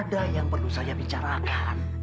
ada yang perlu saya bicarakan